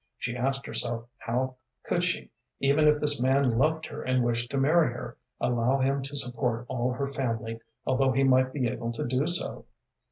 She asked herself how could she, even if this man loved her and wished to marry her, allow him to support all her family, although he might be able to do so.